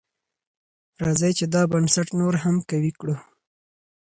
راځئ چې دا بنسټ نور هم قوي کړو.